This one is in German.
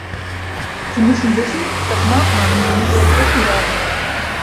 Sie müssen wissen, dass Maßnahmen gegen sie ergriffen werden.